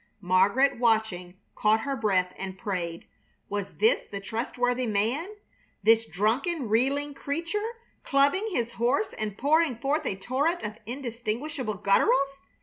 Margaret, watching, caught her breath and prayed. Was this the trustworthy man, this drunken, reeling creature, clubbing his horse and pouring forth a torrent of indistinguishable gutturals?